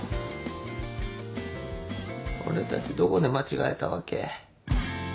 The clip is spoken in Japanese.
俺たちどこで間違えたわけ？